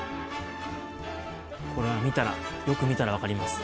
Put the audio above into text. これは見たらよく見たら分かります。